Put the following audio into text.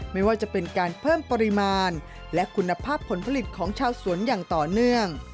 ไม่ว่าจะเป็นการเพิ่มปริมาณและคุณภาพผลผลิตของชาวสวนอย่างต่อเนื่อง